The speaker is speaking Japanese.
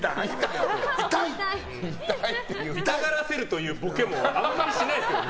痛がらせるというボケもあんまりしないですけどね。